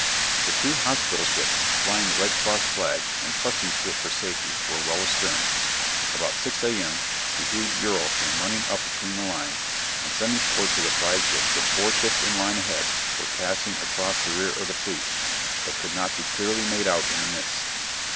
The two hospital ships, flying the Red Cross flag and trusting to it for safety, were well astern. About 6 a.m. the huge "Ural" came running up between the lines, and semaphored to the flagship that four ships in line ahead were passing across the rear of the fleet, but could not be clearly made out in the mist.